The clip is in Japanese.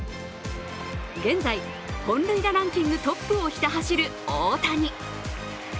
現在、本塁打ランキングトップをひた走る大谷。